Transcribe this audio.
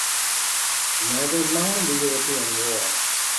Never mind the European war!